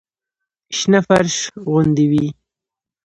شنه فرش غوندې وي.